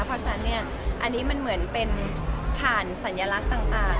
เพราะฉะนั้นเนี่ยอันนี้มันเหมือนเป็นผ่านสัญลักษณ์ต่าง